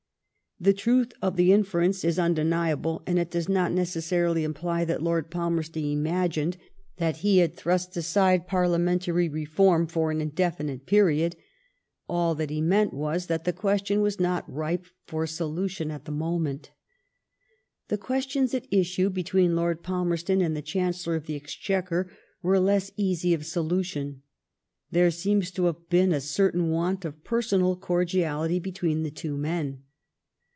The truth of the inference is undeniable^ and it does not necessarily imply that Lord Palmerston imagined that he had thrust aside Parliamentary Reform for an indefinite period. All ihat he meant was that the question was not ripe for solution at the moment. The questions at issue between Lord Palmerston and the Chancellor of the Exchequer were less easy of solution. There seems to have been a certain want of personal cordiality between the two men.